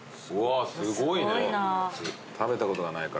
すごいな。